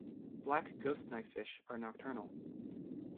Black ghost knife fish are nocturnal.